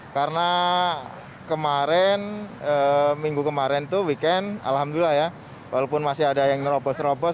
karena kemarin minggu kemarin itu weekend alhamdulillah ya walaupun masih ada yang nerobos nerobos